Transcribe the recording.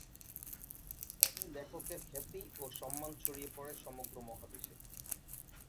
ফলে লেখকের খ্যাতি ও সম্মান ছড়িয়ে পড়ে সমগ্র মহাদেশে।